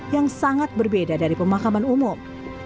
yang sangat berbeda dari pemakaman umum